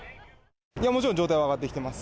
もちろん、状態は上がってきてます。